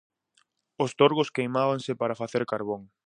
Os torgos queimábanse para facer carbón.